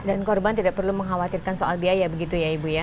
dan korban tidak perlu mengkhawatirkan soal biaya begitu ya ibu ya